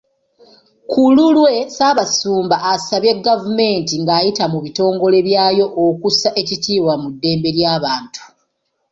Ku lulwe, Ssabasumba asabye gavumenti ng'ayita mu bitongole byayo okussa ekitiibwa mu ddembe ly'abantu.